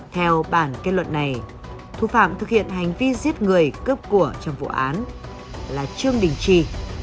theo bản kết luận này thủ phạm thực hiện hành vi giết người cướp của trong vụ án là trương đình trì